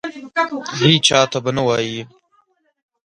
هیچا ته به نه وایې !